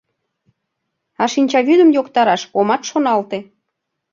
А шинчавӱдым йоктараш омат шоналте.